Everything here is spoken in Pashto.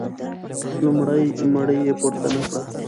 لومړۍ مړۍ یې پورته نه کړه.